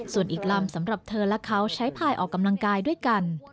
ส่วนอีกลำสำหรับเธอและเขาใช้พายออกกำลังกายด้วยกัน